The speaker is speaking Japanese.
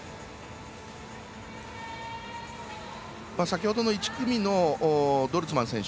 先ほどの１組のドルスマン選手